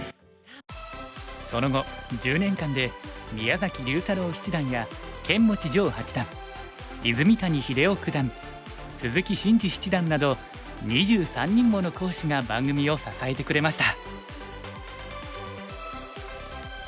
その後１０年間で宮崎龍太郎七段や釼持丈八段泉谷英雄九段鈴木伸二七段など２３人もの講師が番組を支えてくれました。